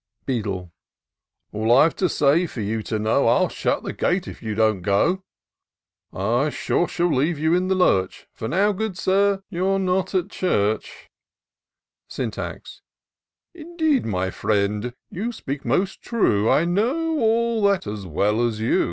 Beadle. " All I've to say, for you to know, I'll shut the gate if you don't go : I sure shall leave you in the lurch, For now, good Sir, you're not at church." IN SEARCH OF THE PICTURESQUE. 223 Syntax. " Indeed, my friend, you speak most true : I know all that as well as you.